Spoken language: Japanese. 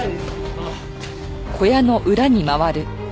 ああ。